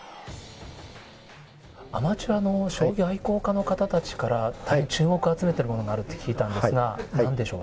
アマチュアの将棋愛好家の方たちから、注目を集めてるものがあるって聞いたんですが、なんでしょう？